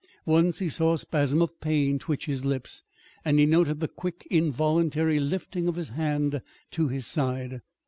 Once he saw a spasm as of pain twitch his lips; and he noted the quick, involuntary lifting of his hand to his side.